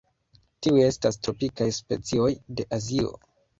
Tiuj estas tropikaj specioj de Azio.